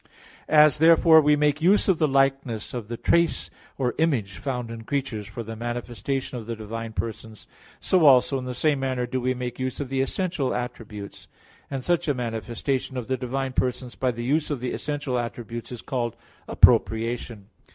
1). As, therefore, we make use of the likeness of the trace or image found in creatures for the manifestation of the divine persons, so also in the same manner do we make use of the essential attributes. And such a manifestation of the divine persons by the use of the essential attributes is called "appropriation."